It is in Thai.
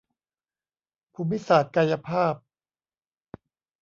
ภูมิศาสตร์กายภาพ